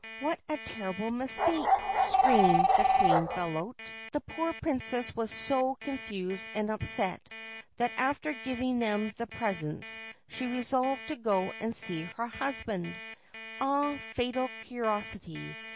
' What a terrible mistake I ' screamed the Queen Bellote. THE GREEN SERPENT The poor Princess was so confused and upset that, after giving them the presents, she resolved to go and see her husband. Ah, fatal curiosity